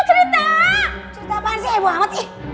cerita apaan sih hebat banget